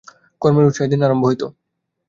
কর্মের উৎসাহে দিন আরম্ভ হইত।